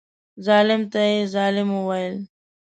ظالم ته یې ظالم وویل.